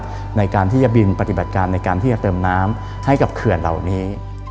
ประกันที่จะการต้องเป็นการบินปฏิบัติการในการที่เลยทรัมน้ำให้กับเขื่อเหล่านี้